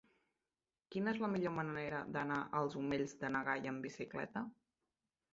Quina és la millor manera d'anar als Omells de na Gaia amb bicicleta?